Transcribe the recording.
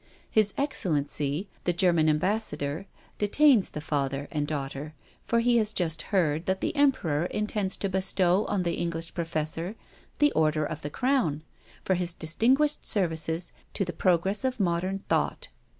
His Excel lency th§ German Ambassador detains the father and daughter, for he has just heard that the Emperor intends to bestow on the English professor the Order of the Crown, 1 52 THE STORY OF A MODERN WOMAN. for his distinguished services to the progress of modern thought.